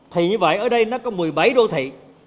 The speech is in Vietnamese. thì như vậy ở đây nó có một mươi bảy đô thị